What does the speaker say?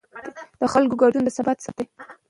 د خلکو ګډون د ثبات سبب دی